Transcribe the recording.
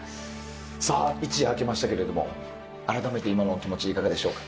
一夜明けましたけれどもあらためて今のお気持ちいかがでしょうか？